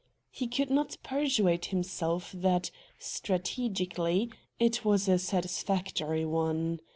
He could not persuade himself that, strategically, it was a satisfactory one.